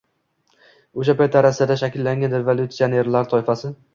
– o‘sha paytda Rossiyada shakllangan «revolyutsionerlar» toifasi